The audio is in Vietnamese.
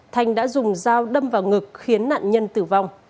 thanh đã dùng dao đâm vào ngực khiến nạn nhân tử vong